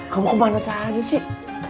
kamu kemana saja sih